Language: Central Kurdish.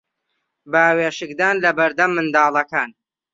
باوێشکدان لە بەردەم منداڵەکان